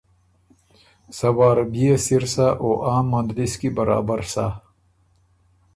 سۀ وار بيې سِر سۀ او عام مندلِس کی برابر سَۀ۔